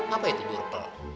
apa itu jurpel